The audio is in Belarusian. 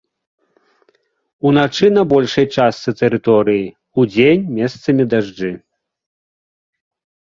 Уначы на большай частцы тэрыторыі, удзень месцамі дажджы.